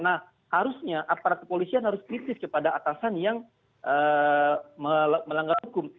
nah harusnya aparat kepolisian harus kritis kepada atasan yang melanggar hukum